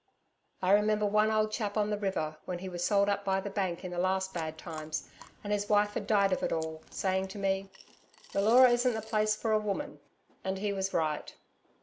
I remember one old chap on the river, when he was sold up by the Bank in the last bad times, and his wife had died of it all, saying to me, 'The Leura isn't the place for a woman.' And he was right.